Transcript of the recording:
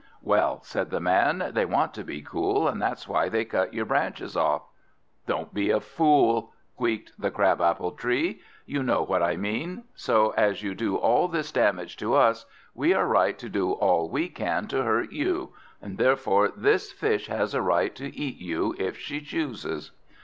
"Well," said the Man, "they want to be cool, and that's why they cut your branches off." "Don't be a fool," squeaked the Crab apple Tree; "you know what I mean. So as you do all this damage to us, we are right to do all we can to hurt you, and therefore this Fish has a right to eat you if she chooses."